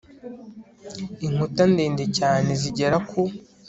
inkuta ndende cyane zigera ku